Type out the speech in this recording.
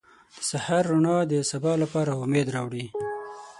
• د سهار رڼا د سبا لپاره امید راوړي.